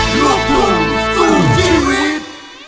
ลบทุนสู่ชีวิต